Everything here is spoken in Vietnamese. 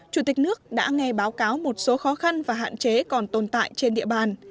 chủ tịch nước đã nghe báo cáo một số khó khăn và hạn chế còn tồn tại trên địa bàn